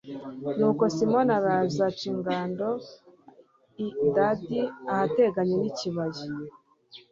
nuko simoni araza aca ingando i adida, ahateganye n'ikibaya